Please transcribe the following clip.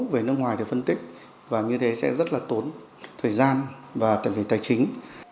về nước ngoài để phân tích và như thế sẽ rất là tốn thời gian và cần phải tài chính